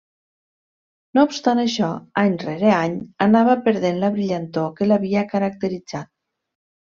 No obstant això, any rere any, anava perdent la brillantor que l'havia caracteritzat.